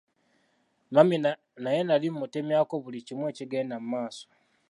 Mami naye nali mmutemyako buli kimu ekigenda mu maaso.